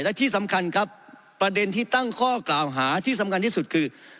และที่สำคัญครับประเด็นที่ตั้งข้อกล่าวหาที่สำคัญที่สุดคือ